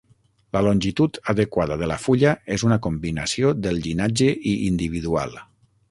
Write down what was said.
La longitud adequada de la fulla és una combinació del llinatge i individual.